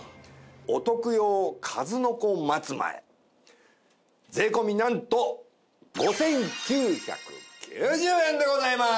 お徳用数の子松前税込なんと５９９０円でございます！